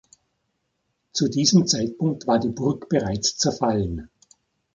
Zu diesem Zeitpunkt war die Burg bereits zerfallen.